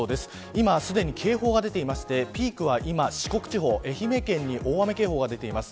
今すでに警報が出ていましてピークは今、四国地方愛媛県に大雨警報が出ています。